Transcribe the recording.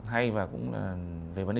hay và cũng về vấn đề